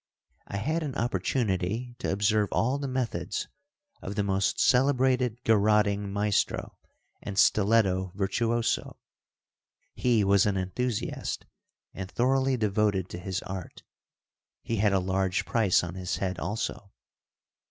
I had an opportunity to observe all the methods of the most celebrated garroting maestro and stilletto virtuoso. He was an enthusiast and thoroughly devoted to his art. He had a large price on his head, also.